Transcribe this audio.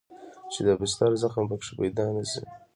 چې د بستر زخم پکښې پيدا نه سي.